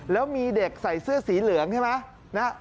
แล้วมีเด็กใส่เสื้อสีเหลืองใช่ไหม